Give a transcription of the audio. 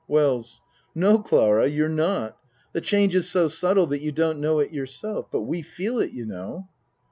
WELLS No, Clara, you're not. The change is so subtle that you don't know it yourself. But we feel it, you know.